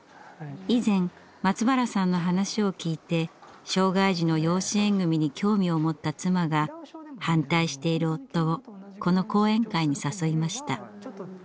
以前松原さんの話をきいて障害児の養子縁組に興味を持った妻が反対している夫をこの講演会に誘いました。